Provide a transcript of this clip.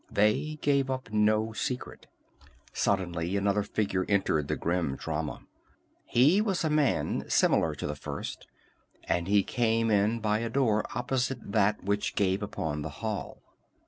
They gave up no secret. Suddenly another figure entered the grim drama. He was a man similar to the first, and he came in by a door opposite that which gave upon the hall.